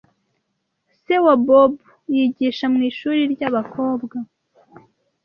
Se wa Bob yigisha mwishuri ryabakobwa.